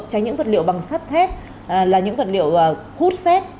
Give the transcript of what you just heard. tránh những vật liệu bằng sắt thép là những vật liệu hút xét